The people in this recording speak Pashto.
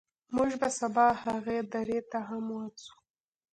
موږ به سبا هغې درې ته هم ورځو.